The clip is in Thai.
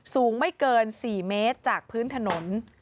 สูงไม่เกิน๔เมตรจากพื้นถนน